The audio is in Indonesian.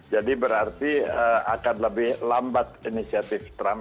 jadi berarti akan lebih lambat inisiatif trump